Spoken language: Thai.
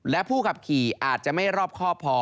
และผู้ขับขี่อาจจะไม่รอบครอบพอ